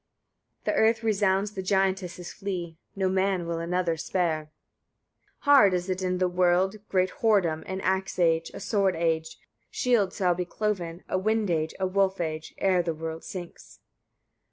The earth resounds, the giantesses flee; no man will another spare. 46. Hard is it in the world, great whoredom, an axe age, a sword age, shields shall be cloven, a wind age, a wolf age, ere the world sinks.